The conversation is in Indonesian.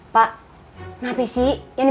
pak kenapa sih yang dibikirin mau tuh